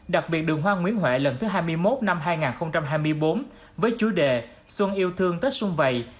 đặc biệt đường hoa nguyễn huệ lần thứ hai mươi một năm hai nghìn hai mươi bốn với chủ đề xuân yêu thương tết xuân vầy